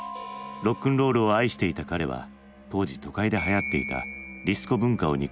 ロックンロールを愛していた彼は当時都会ではやっていたディスコ文化を憎み